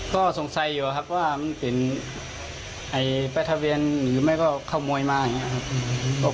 ก็สงสัยอยู่ครับว่ามันเป็นป้ายทะเบียนหรือไม่ก็ขโมยมาอย่างนี้ครับ